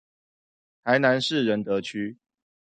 臺南市仁德區